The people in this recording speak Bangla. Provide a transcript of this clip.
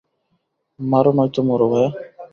মারো নয়তো মরো, ভায়া।